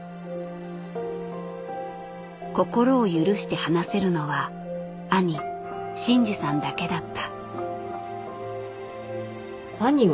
心を許して話せるのは兄晋治さんだけだった。